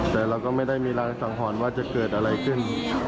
แต่เราก็ไม่ได้มีรางสังหรณ์ว่าจะเกิดอะไรขึ้น